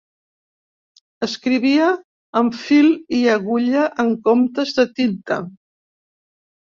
Escrivia amb fil i agulla, en comptes de tinta.